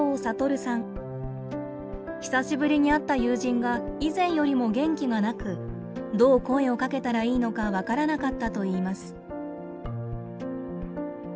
久しぶりに会った友人が以前よりも元気がなくどう声をかけたらいいのか分からなかったといいます。